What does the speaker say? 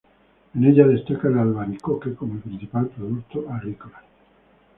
En ella destaca el albaricoque como el principal producto agrícola.